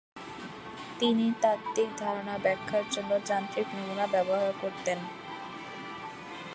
তিনি তাত্ত্বিক ধারণা ব্যাখ্যার জন্য যান্ত্রিক নমুনা ব্যবহার করতেন।